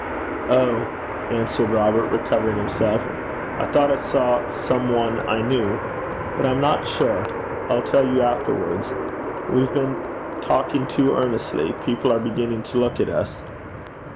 'Oh!' answered Robert, recovering himself, 'I thought I saw some one I knew. But I'm not sure. I'll tell you afterwards. We've been talking too earnestly. People are beginning to look at us.'